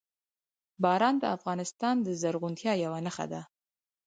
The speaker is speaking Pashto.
باران د افغانستان د زرغونتیا یوه نښه ده.